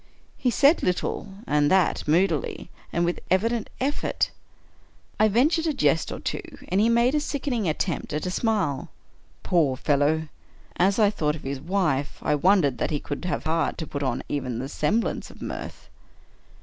He said little, and that moodily, and with evident efifort. I ventured a jest or two, and he made a sickening attempt at a smile. Poor fellow !— as I thought of his wife, I wondered that he could have heart to put on even the semblance of mirth.